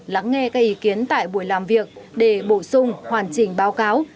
lắng nghe các ý kiến tại buổi làm việc để bổ sung hoàn chỉnh báo cáo